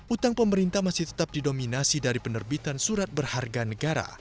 utang pemerintah masih tetap didominasi dari penerbitan surat berharga negara